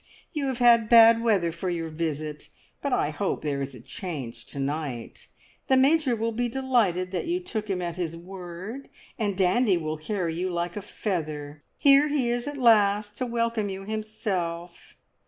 You have had bad weather for your visit, but I hope there is a change to night. The Major will be delighted that you took him at his word, and Dandy will carry you like a feather. Here he is at last, to welcome you himself."